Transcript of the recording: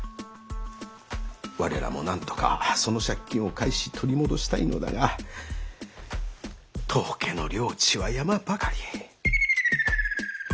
我らもなんとかその借金を返し取り戻したいのだが当家の領地は山ばかり。